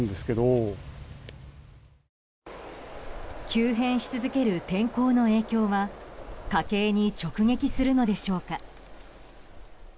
急変し続ける天候の影響は家計に直撃するのでしょうか。